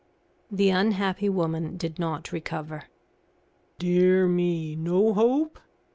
The unhappy woman did not recover. "Dear me! no hope?"